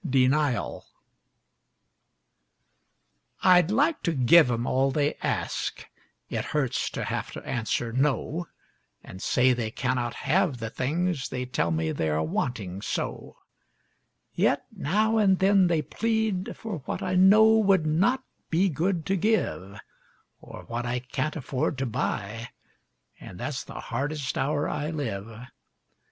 DENIAL I'd like to give 'em all they ask it hurts to have to answer, "No," And say they cannot have the things they tell me they are wanting so; Yet now and then they plead for what I know would not be good to give Or what I can't afford to buy, and that's the hardest hour I live.